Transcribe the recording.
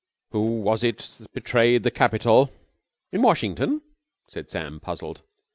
Who was it betrayed the Capitol!'" "In Washington?" said Sam puzzled.